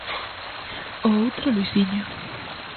O outro Luisiño.